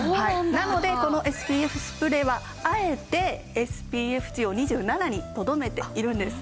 なのでこのＳＰＦスプレーはあえてＳＰＦ値を２７にとどめているんです。